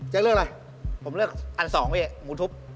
เจ๊เลือกอะไรผมเลือกอัน๒เว้ยหมูทุบ